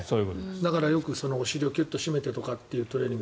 よくお尻をキュッと締めてというトレーニング。